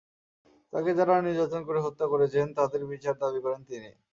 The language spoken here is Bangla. তাঁকে যাঁরা নির্যাতন করে হত্যা করেছেন, তাঁদের বিচার দাবি করেন তিনি।